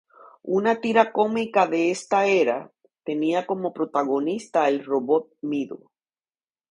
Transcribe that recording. Una tira cómica de esta era, tenía como protagonista el Robot Mido.